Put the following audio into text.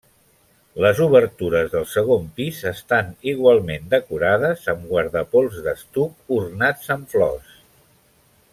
Les obertures del segon pis estan igualment decorades amb guardapols d'estuc, ornats amb flors.